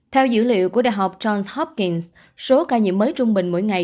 theo dữ liệu của đại học johns hopkings số ca nhiễm mới trung bình mỗi ngày